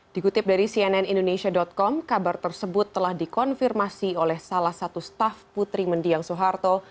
dikutip dari cnnindonesia com kabar tersebut telah dikonfirmasi oleh salah satu staff putri mendiang suharto